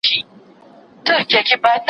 په قېمت لکه سېپۍ او مرغلري